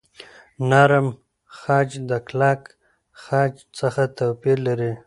نرم خج د کلک خج څخه توپیر لري.